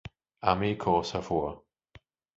Armee-Korps hervor.